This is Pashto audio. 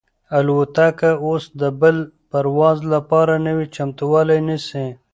الوتکه اوس د بل پرواز لپاره نوی چمتووالی نیسي.